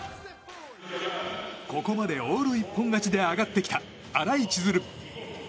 ここまでオール一本勝ちで上がってきた新井千鶴。